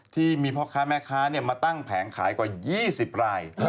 ที่มีพ่อค้าแม่ค้ามาตั้งแผงขายกว่า๒๐ราย